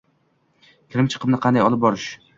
kirim-chiqimni qanday olib borish